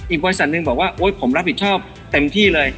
บริษัทหนึ่งบอกว่าโอ๊ยผมรับผิดชอบเต็มที่เลย